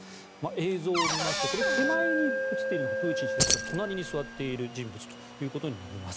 映像を見ますと手前に映っているのがプーチン氏ですが隣に座っている人物です。